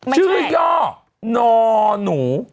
ชื่อย่อนอหนู